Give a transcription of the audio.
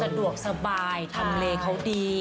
สะดวกสบายทำเลเขาดี